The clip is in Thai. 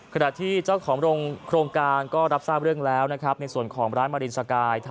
ขณะที่เจ้าของโครงการก็รับทราบเรื่องแล้วนะครับในส่วนของร้านมารินสกาย